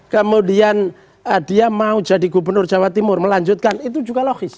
kemudian dia mau jadi gubernur jawa timur melanjutkan itu juga logis